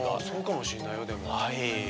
そうかもしれないよでも。